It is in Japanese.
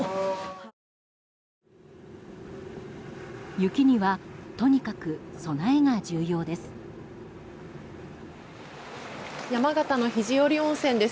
雪にはとにかく備えが重要です。